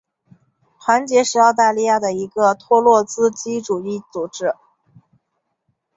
团结是澳大利亚的一个托洛茨基主义组织。